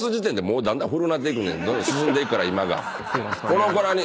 この子らに。